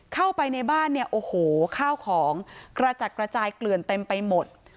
เข้าไปในบ้านเนี่ยโอ้โหข้าวของกระจัดกระจายเกลื่อนเต็มไปหมด